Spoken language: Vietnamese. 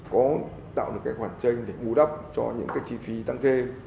có tạo được cái hoàn tranh để bù đắp cho những cái chi phí tăng thêm